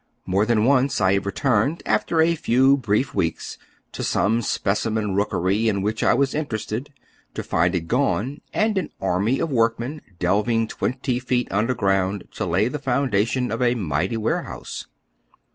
More than once I have returned, after a few brief weeks, to some specimen rookery in which I was interested, to find it gone and an army of workmen delving twenty feet underground to lay tlie foundation of a mighty warehouse.